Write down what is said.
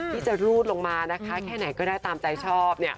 ที่จะรูดลงมาแค่ไหนก็ได้ตามใจชอบ